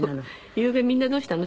「ゆうべみんなどうしたの？」。